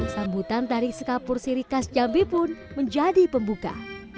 sambutan tarik sekapur sirikas jambi pun menjadi pembuka